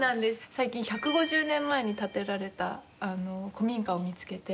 最近１５０年前に建てられた古民家を見つけて。